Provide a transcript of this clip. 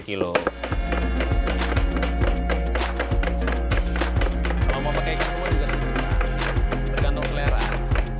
kalau mau pakai ikan semua juga tidak bisa bergantung keleran